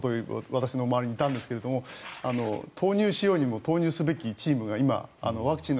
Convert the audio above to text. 私の周りにいたんですが投入しようにも投入すべきチームが今、ワクチンの。